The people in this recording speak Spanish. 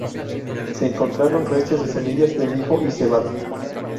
Se encontraron restos de semillas de mijo y cebada.